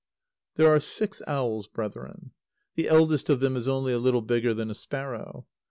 _ There are six owls, brethren. The eldest of them is only a little bigger than a sparrow.